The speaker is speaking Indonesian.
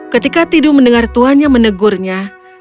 ketika tidu mendengar tuanya menegurnya